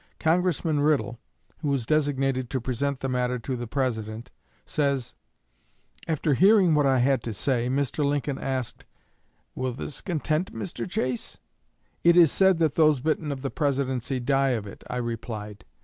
Congressman Riddle, who was designated to present the matter to the President, says: "After hearing what I had to say, Mr. Lincoln asked, 'Will this content Mr. Chase?' 'It is said that those bitten of the Presidency die of it,' I replied.